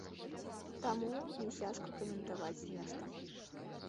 Таму, мне цяжка каментаваць нешта.